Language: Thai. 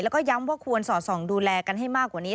แล้วก็ย้ำว่าควรสอดส่องดูแลกันให้มากกว่านี้